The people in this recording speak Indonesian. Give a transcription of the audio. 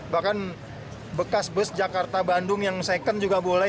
bahkan bekas bus jakarta bandung yang second juga boleh